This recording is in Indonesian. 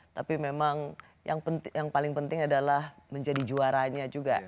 tapi memang yang paling penting adalah menjadi juaranya juga